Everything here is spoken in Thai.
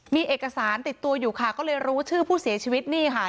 มีเอกสารติดตัวอยู่ค่ะก็เลยรู้ชื่อผู้เสียชีวิตนี่ค่ะ